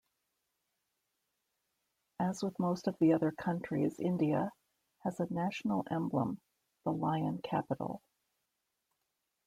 As with most of the other countries India, has a national emblem-the Lion Capital.